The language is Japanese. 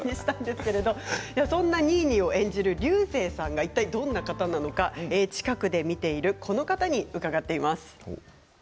そんなニーニーを演じる竜星さんがいったいどんな方なのか近くで見ているこの方に伺っています。